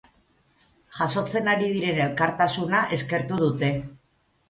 Jasotzen ari diren elkartasuna eskertu dute.